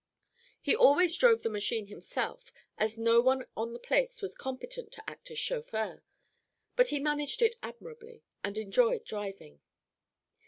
He always drove the machine himself, as no one on the place was competent to act as chauffeur; but he managed it admirably and enjoyed driving.